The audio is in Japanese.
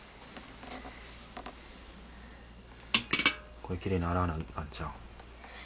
これきれいに洗わないかんちゃう？